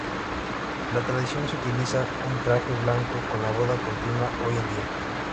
La tradición de utilizar un traje blanco en la boda continúa hoy en día.